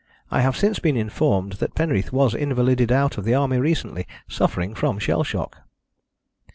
I have since been informed that Penreath was invalided out of the Army recently, suffering from shell shock."